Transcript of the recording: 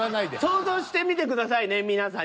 想像してみてくださいね皆さん。